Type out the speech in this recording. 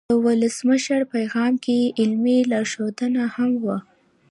د ولسمشر پیغام کې علمي لارښودونه هم وو.